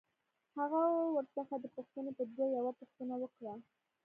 هغه ورڅخه د پوښتنې په دود يوه پوښتنه وکړه.